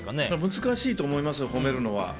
難しいと思います褒めるのは。